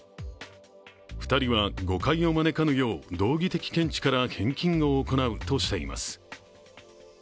２人は、誤解を招かぬよう道義的見地から返金を行うとしています。